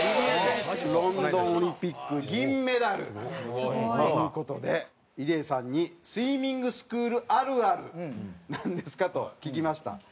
ロンドンオリンピック銀メダル。という事で入江さんに「スイミングスクールあるあるなんですか？」と聞きました。